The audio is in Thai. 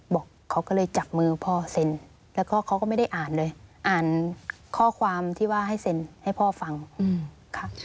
บอกเขาก็เลยจับมือพ่อเซ็นแล้วก็เขาก็ไม่ได้อ่านเลยอ่านข้อความที่ว่าให้เซ็นให้พ่อฟังค่ะ